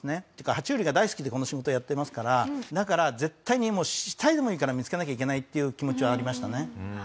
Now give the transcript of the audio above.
爬虫類が大好きでこの仕事やっていますからだから絶対に死体でもいいから見付けなきゃいけないっていう気持ちはありましたね。